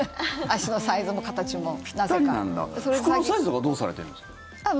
服のサイズとかどうされてるんですか？